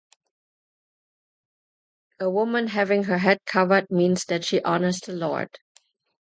A women having her head covered means that she honors the Lord.